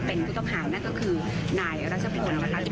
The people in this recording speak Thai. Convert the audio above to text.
เป็นผู้ต้องหานั่นก็คือนายรัชพลนะคะ